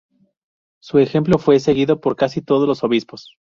Su ejemplo fue seguido por casi todos los obispos.